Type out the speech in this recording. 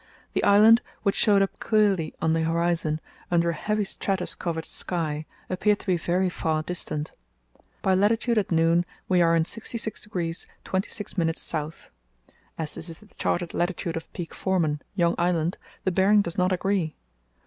The island, which showed up clearly on the horizon, under a heavy stratus covered sky, appeared to be very far distant. By latitude at noon we are in 66° 26´ S. As this is the charted latitude of Peak Foreman, Young Island, the bearing does not agree.